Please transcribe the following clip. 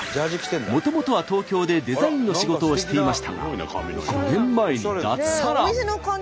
もともとは東京でデザインの仕事をしていましたが５年前に脱サラ。